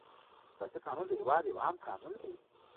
اساسي قانون د هېواد یو عام قانون دی.